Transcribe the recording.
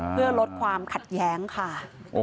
เพื่อลดความขัดแย้งค่ะ